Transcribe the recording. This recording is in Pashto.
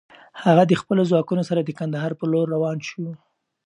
هغه د خپلو ځواکونو سره د کندهار پر لور روان شو.